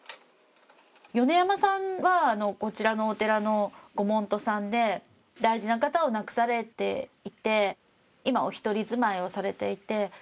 米山さんはこちらのお寺のご門徒さんで大事な方を亡くされていて今お一人住まいをされていて。